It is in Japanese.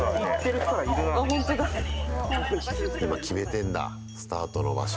今、決めてんだ、スタートの場所。